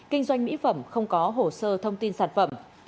kinh doanh mỹ phẩm không có hồ sơ thông tin sản phẩm